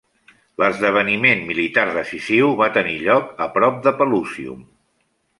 L'esdeveniment militar decisiu va tenir lloc a prop de Pelusium.